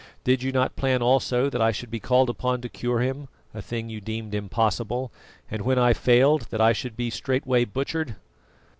Did you not plan also that I should be called upon to cure him a thing you deemed impossible and when I failed that I should be straightway butchered?"